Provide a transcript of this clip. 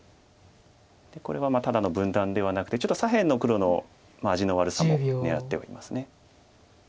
これはただの分断ではなくてちょっと左辺の黒の味の悪さも狙ってはいます。